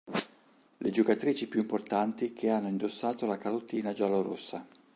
Le giocatrici più importanti che hanno indossato la calottina giallorossa